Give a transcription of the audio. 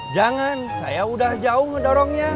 jangan saya udah jauh mendorongnya